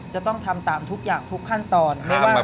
จะต้องทำตามทุกอย่างทุกขั้นตอน